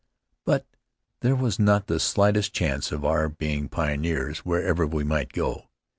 But there was not the slightest chance of our being pioneers wherever we might go.